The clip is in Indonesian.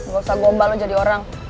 gak usah gombal jadi orang